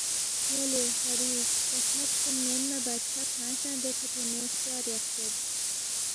یلے ہاری تا ہرمق کُن مینما بادشاہ کھوانگ سہ دیکھہ تھونے ہرژیا ریخسید